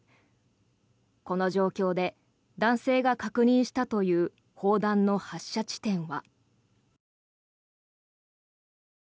この状況で男性が確認したという砲弾の発射地点は。